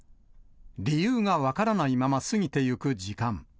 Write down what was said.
理由が分からないまま過ぎてゆく時間。